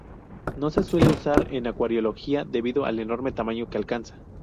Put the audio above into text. No se suele usar en acuariología debido al enorme tamaño que alcanza.